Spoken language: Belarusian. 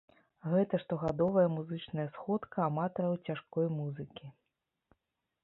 Гэта штогадовая музычная сходка аматараў цяжкой музыкі.